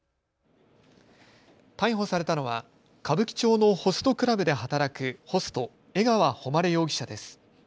逮捕されたのは歌舞伎町のホストクラブで働くホスト、江川誉容疑者です。